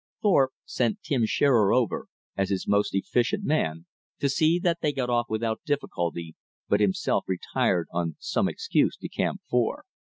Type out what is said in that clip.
Thorpe sent Tim Shearer over, as his most efficient man, to see that they got off without difficulty, but himself retired on some excuse to Camp Four.